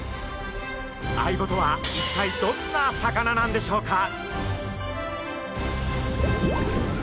アイゴとは一体どんな魚なんでしょうか？